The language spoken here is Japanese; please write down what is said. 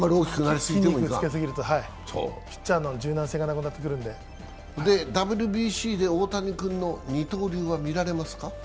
筋肉つけすぎるとピッチャーの柔軟性がなくなってくるのでＷＢＣで大谷君の二刀流は見られますか？